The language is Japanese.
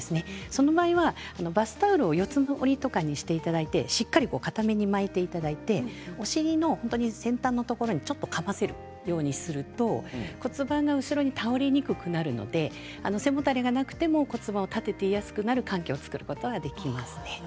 その場合はバスタオルを折り畳んでかために巻いていただいてお尻の先端のところにちょっとかませるようにすると骨盤が後ろに倒れにくくなるので背もたれがなくても骨盤を立てやすくなる環境ができると思います。